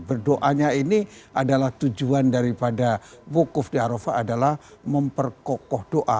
berdoanya ini adalah tujuan daripada wukuf di arafah adalah memperkokoh doa